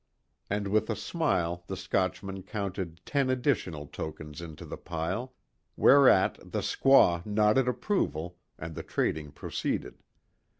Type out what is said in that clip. And with a smile the Scotchman counted ten additional tokens into the pile, whereat the squaw nodded approval and the trading proceeded.